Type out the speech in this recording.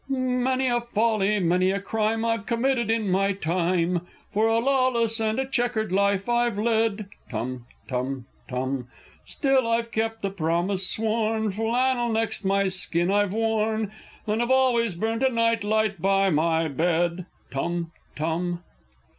Many a folly, many a crime I've committed in my time, For a lawless and a chequered life I've led! (Tum tum tum.) Still I've kept the promise sworn flannel next my skin I've worn, And I've always burnt a night light by my bed! (Tum tum!)